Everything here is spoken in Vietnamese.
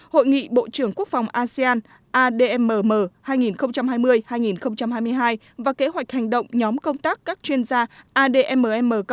hội nghị bộ trưởng quốc phòng asean admm hai nghìn hai mươi hai nghìn hai mươi hai và kế hoạch hành động nhóm công tác các chuyên gia admm